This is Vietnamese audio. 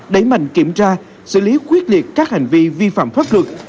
đẩy mạnh kiểm tra xử lý quyết liệt các hành vi vi phạm pháp luật